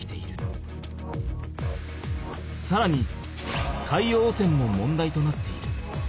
さらに海洋汚染も問題となっている。